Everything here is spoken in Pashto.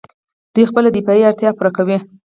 دوی خپله دفاعي اړتیا پوره کوي.